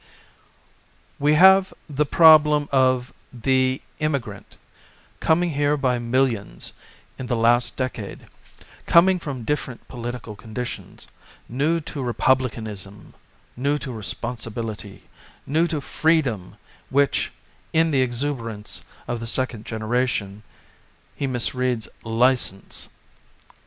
We have the problem of the ivtmi grant, coming here by millions in the last decade, coming from different 44 Classes That Menace rftr political conditions, new to republican ism, new to responsibility, new to free dom, which, in the exuberance of the second generation, he misreads "li cense."